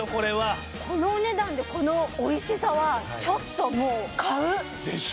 このお値段でこのおいしさはちょっともう買う！でしょ？